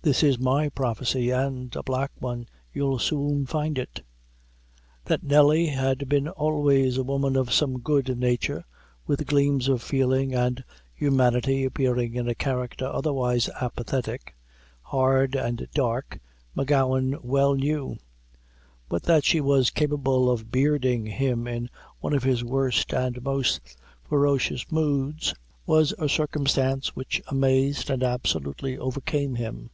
This is my prophecy, and; a black one you'll soon find it." That Nelly had been always a woman of some good nature, with gleams of feeling and humanity appearing in a character otherwise apathetic, hard, and dark, M'Gowan well knew; but that she was capable of bearding him in one of his worst and most ferocious moods, was a circumstance which amazed and absolutely overcame him.